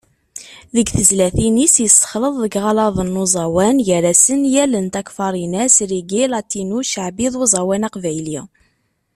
Deg tezlatin-is, yessexleḍ deg yiɣaladen n uẓawan, gar-asen Yal n Takfarinas, Reggai, Latino, Ccaɛbi, d uẓawan aqbayli.